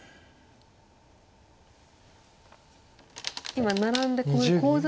今ナラんでコウ材？